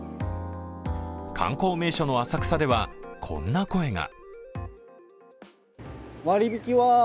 観光名所の浅草ではこんな声が。